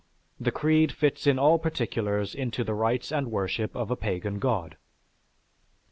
the creed fits in all particulars into the rites and worship of a pagan God."